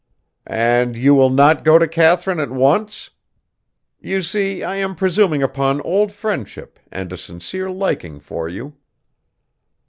"And you will not go to Katharine at once? You see I am presuming upon old friendship and a sincere liking for you."